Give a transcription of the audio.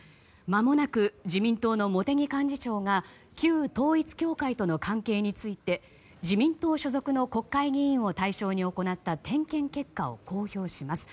まもなく自民党の茂木幹事長が旧統一教会との関係について自民党所属の国会議員を対象に行った点検結果を公表します。